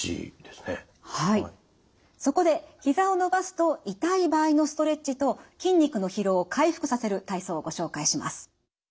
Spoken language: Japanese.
そこでひざを伸ばすと痛い場合のストレッチと筋肉の疲労を回復させる体操をご紹介します。